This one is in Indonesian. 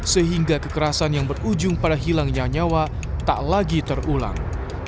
sehingga kekerasan yang berujung pada hilangnya nyawa tak lagi terulang